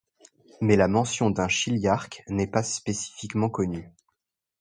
Mais la mention d'un chiliarque n'est pas spécifiquement connu.